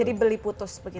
jadi beli putus begitu kan